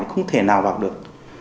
không thể nào vào được